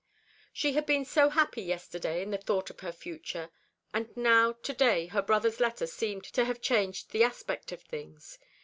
She had been so happy yesterday in the thought of her future; and now to day her brother's letter seemed to have changed the aspect of things.